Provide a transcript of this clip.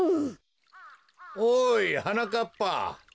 ・おいはなかっぱ。